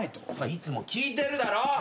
いつも聞いてるだろ！